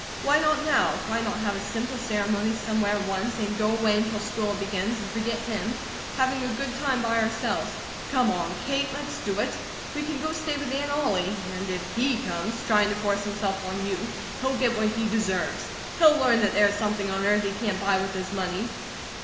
Why not now? Why not have a simple ceremony somewhere at once, and go away until school begins, and forget him, having a good time by ourselves? Come on, Kate, let's do it! We can go stay with Aunt Ollie, and if he comes trying to force himself on you, he'll get what he deserves. He'll learn that there is something on earth he can't buy with his money."